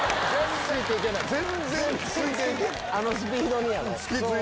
あのスピードにやろ。